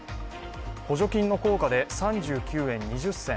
補助金の効果で３９円２０銭